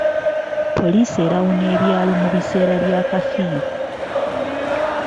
Poliisi erawuna ebyalo mu biseera bya kafiyu.